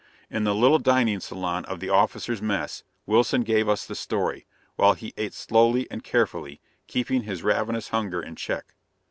In the little dining salon of the officers' mess, Wilson gave us the story, while he ate slowly and carefully, keeping his ravenous hunger in check.